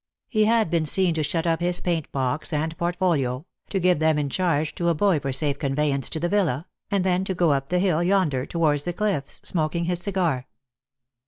He had been seen to shut up his paint box and portfolio, to give them in charge to a boy for safe conveyance to the villa, and then to go up the hill yonder towards the cliffs, smoking his cigar.